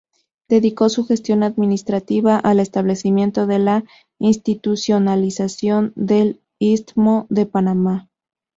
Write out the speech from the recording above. Dedicó su gestión administrativa al establecimiento de la institucionalización del Istmo de Panamá.